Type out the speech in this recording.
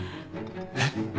えっ？